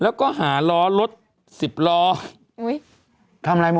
แล้วก็หาร้อลด๑๐ล้อ